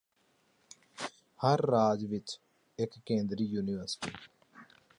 ਹਰ ਰਾਜ ਵਿੱਚ ਇੱਕ ਕੇਂਦਰੀ ਯੂਨੀਵਰਸਿਟੀ